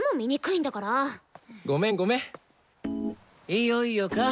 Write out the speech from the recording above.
いよいよか。